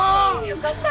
よかった。